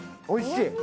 おいしい。